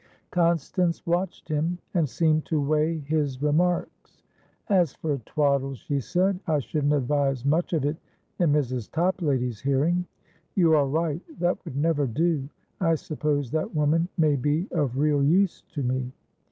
Constance watched him, and seemed to weigh his remarks. "As for twaddle," she said, "I shouldn't advise much of it in Mrs. Toplady's hearing." "You are right. That would never do. I suppose that woman may be of real use to me?"